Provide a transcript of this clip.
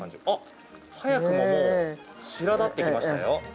あ、早くももう白だってきましたよ。